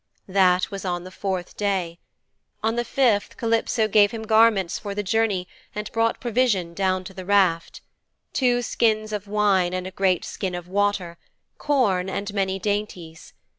That was on the fourth day. On the fifth Calypso gave him garments for the journey and brought provision down to the raft two skins of wine and a great skin of water; corn and many dainties.